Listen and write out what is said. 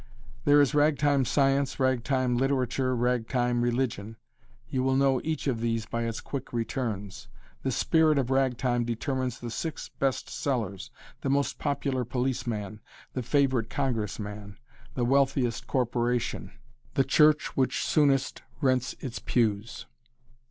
There is ragtime science, ragtime literature, ragtime religion. You will know each of these by its quick returns. The spirit of ragtime determines the six best sellers, the most popular policeman, the favorite congressman, the wealthiest corporation, the church which soonest rents its pews.